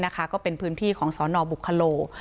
ก็เป็นพื้นที่ของสนบุคโล